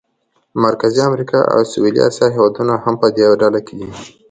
مرکزي امریکا او سویلي اسیا هېوادونه هم په دې ډله کې دي.